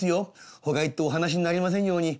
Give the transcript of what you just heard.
ほか行ってお話になりませんように。